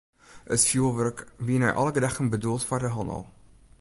It fjoerwurk wie nei alle gedachten bedoeld foar de hannel.